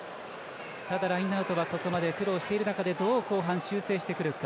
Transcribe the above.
ただ、ラインアウトはここまで苦労している中でどう後半、修正してくるか。